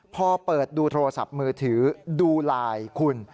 พอเปิดดูโทรศัพท์มือถือดูไลน์คุณ